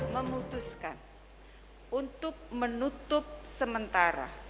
memutuskan untuk menutup sementara